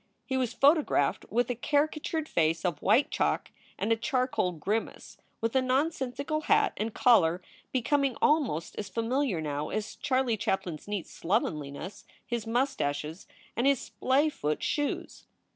He was photographed with a caricatured face of white chalk and a charcoal grimace, with a nonsensical hat and collar becoming almost as familiar now as Charlie Chaplin s neat slovenliness, his mustaches, and his splay foot shoes.